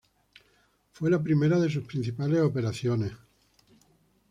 Fue la primera de sus principales operaciones.